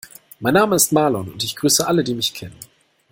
Mein Name ist Marlon und ich grüße alle, die mich kennen.